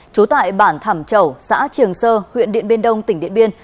trú tại bản thảm chẩu xã triềng sơ huyện điện biên đông tỉnh điện biên